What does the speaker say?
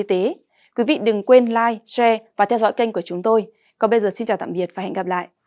hãy đăng ký kênh để ủng hộ kênh mình nhé